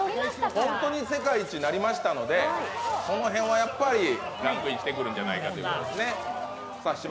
本当に世界一になりましたので、この辺はやっぱりランクインしてくるんじゃないかということですね。